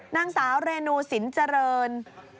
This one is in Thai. นังสาวเรโนซินเจริญ